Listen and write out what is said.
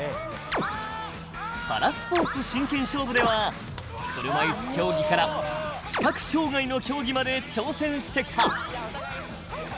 「パラスポーツ真剣勝負」では車いす競技から視覚障がいの競技まで挑戦してきた。